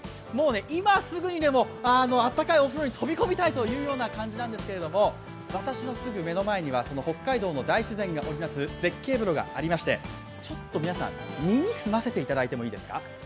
今すぐにでもあったかいお風呂に飛び込みたいというような感じなんですけど私のすぐ目の前には北海道の大自然が織りなす絶景風呂がありまして、皆さん、耳を澄ましていただいてもいいですか。